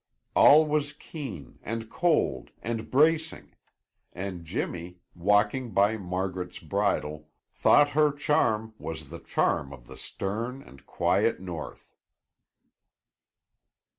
All was keen, and cold, and bracing, and Jimmy, walking by Margaret's bridle, thought her charm was the charm of the stern and quiet North.